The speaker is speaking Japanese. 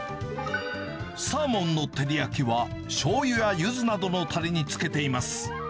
サーモンの照り焼きはしょうゆやユズなどのたれにつけています。